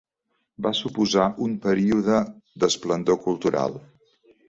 Va suposar un període d'esplendor cultural.